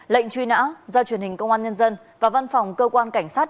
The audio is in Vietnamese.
lệnh truy nã do truyền hình công an nhân dân và văn phòng cơ quan cảnh sát